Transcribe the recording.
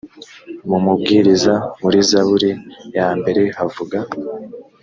mu mubwiriza muri zaburi ya mbere havuga